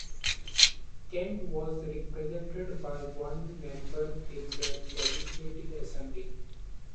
Kent was represented by one member in the Legislative Assembly.